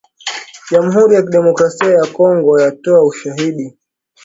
jamhuri ya kidemokrasia ya Kongo yatoa ushahidi